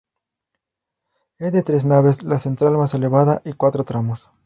Es de tres naves, la central más elevada y cuatro tramos.